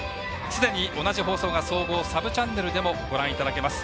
すでに同じ放送が総合サブチャンネルでもご覧いただけます。